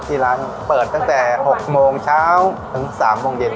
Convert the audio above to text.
ที่ร้านเปิดตั้งแต่๖โมงเช้าถึง๓โมงเย็น